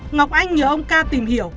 ngọc anh nhờ ông ca tìm hiểu